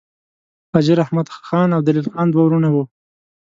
حاجي رحمدل خان او دلیل خان دوه وړونه وه.